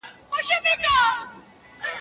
ولي زیارکښ کس د لایق کس په پرتله موخي ترلاسه کوي؟